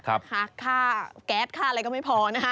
หักค่าแก๊สค่าอะไรก็ไม่พอนะฮะ